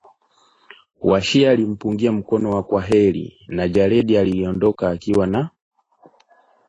Washie alimpungia mkono wa kwaheri na Jared aliondoka akiwa na